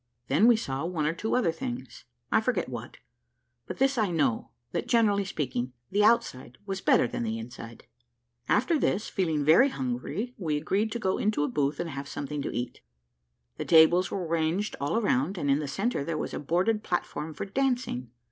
Then we saw one or two other things, I forget what, but this I know, that, generally speaking, the outside was better than the inside. After this, feeling very hungry, we agreed to go into a booth and have something to eat. The tables were ranged all round, and in the centre there was a boarded platform for dancing.